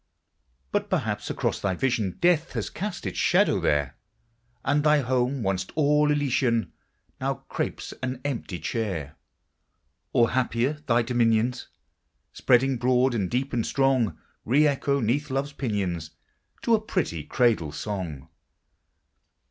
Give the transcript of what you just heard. But perhaps across thy vision Death had cast its shadow there, And thy home, once all elysian, Now crapes an empty chair; Or happier, thy dominions, Spreading broad and deep and strong, Re echo 'neath love's pinions To a pretty cradle song!